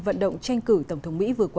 vận động tranh cử tổng thống mỹ vừa qua